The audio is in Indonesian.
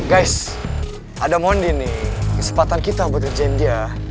guys ada mondi nih kesempatan kita buat irjen dia